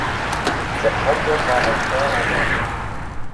Sein Hauptort war Montpont-en-Bresse.